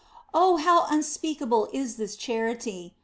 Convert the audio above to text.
" Oh, how unspeakable is this charity